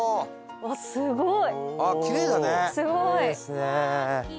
うわっすごい！